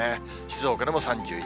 静岡でも３１度。